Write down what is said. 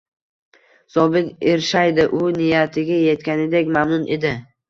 Zobit irshaydi, u niyatiga etgandek mamnun edi